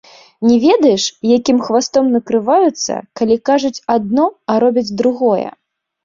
Не ведаеш, якім хвастом накрываюцца, калі кажуць адно, а робяць другое?